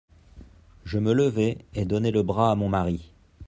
Je me levai et donnai le bras à mon mari.